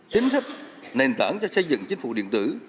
chính sách nền tảng cho xây dựng chính phủ điện tử